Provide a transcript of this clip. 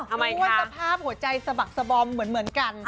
อ้าวรู้สึกว่าสภาพหัวใจสบักสบอมเหมือนเหมือนกัน